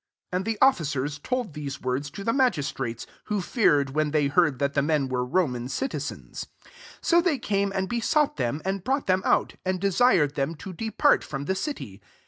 i And the officers told these 3rds to the magistrates; who ared when they heard that ? men were Roman citizens. • So they came' and besought em, and brought them out, I and desired them to depart from the city.